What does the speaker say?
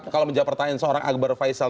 kalau menjawab pertanyaan seorang akbar faisal